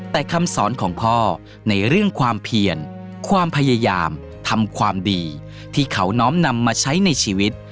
แต่คำสอนของพ่อในเรื่องความเพียรความพยายามทำความดีที่เขาน้อมนำมาใช้ในชีวิต